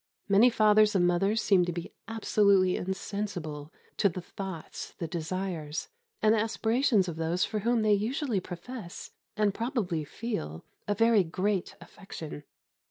Many fathers and mothers seem to be absolutely insensible to the thoughts, the desires, and the aspirations of those for whom they usually profess, and probably feel, a very great affection.